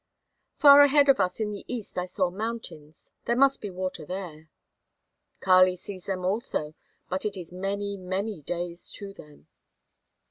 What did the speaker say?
"Far ahead of us in the east I saw mountains. There must be water there." "Kali sees them also, but it is many, many days to them."